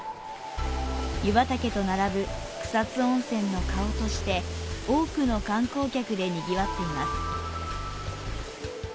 湯畑と並ぶ草津温泉の顔として多くの観光客で賑わっています。